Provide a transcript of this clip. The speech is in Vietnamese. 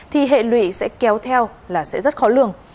thì hệ lụy sẽ kéo theo là sẽ rất khó lường